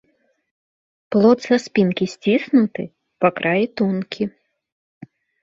Плод са спінкі сціснуты, па краі тонкі.